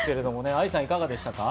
愛さん、いかがでしたか？